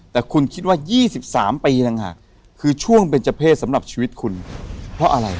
แต่คุณคิดว่า๒๓ปีต่างหากคือช่วงเป็นเจ้าเพศสำหรับชีวิตคุณเพราะอะไร